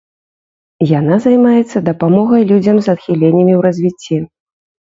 Яна займаецца дапамогай людзям з адхіленнямі ў развіцці.